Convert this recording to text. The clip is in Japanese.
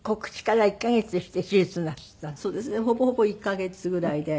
ほぼほぼ１カ月ぐらいで。